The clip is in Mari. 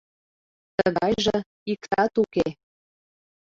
Тыгайже иктат уке.